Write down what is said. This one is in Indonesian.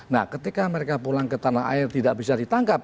nah ketika mereka pulang ke tanah air tidak bisa ditangkap